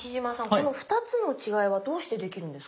この二つの違いはどうしてできるんですか？